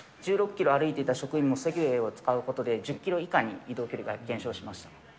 １６キロ歩いていた職員もセグウェイを使うことで、１０キロ以下に移動距離が減少しました。